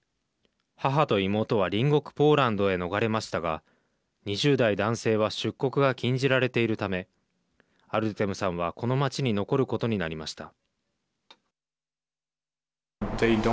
母と妹は隣国ポーランドへ逃れましたが２０代男性は出国が禁じられているためアルテムさんはこの街に残ることになりました。